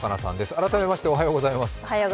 改めまして、おはようございます。